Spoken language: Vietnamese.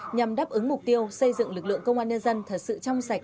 nhằm đáp ứng mục tiêu xây dựng lực lượng công an nhân dân thật sự trong sạch